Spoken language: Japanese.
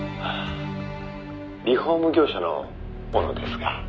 「リフォーム業者の者ですが」